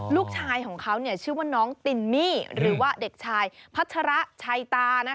ลูกชายของเขาชื่อว่าน้องตินมี่หรือว่าเด็กชายพัชระชัยตา